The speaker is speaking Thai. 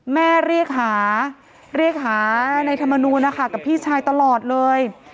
แม่เรียกหาในธรรมนุนะคะกับพี่ชายตลอดเลย